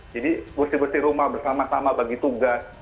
jadi bersih bersih rumah bersama sama bagi tugas